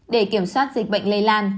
để kiểm soát dịch bệnh lây lan